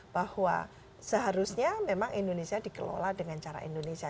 bahwa seharusnya memang indonesia dikelola dengan cara indonesia